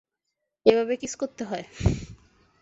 এভাবে কিস করতে হয়।